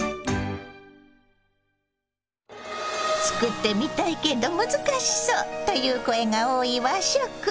「作ってみたいけど難しそう」という声が多い和食。